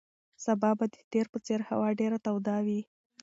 سبا به د تېر په څېر هوا ډېره توده وي.